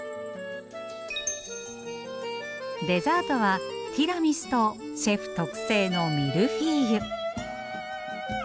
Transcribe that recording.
デザートはティラミスとシェフ特製のミルフィーユ。